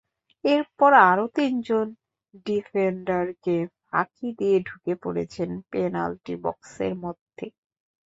এরপর আরও তিনজন ডিফেন্ডারকে ফাঁকি দিয়ে ঢুকে পড়েছেন পেনাল্টি বক্সের মধ্যে।